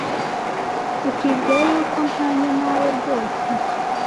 ukibwira yuko mpwanye nawe rwose